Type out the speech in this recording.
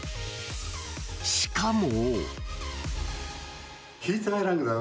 しかも。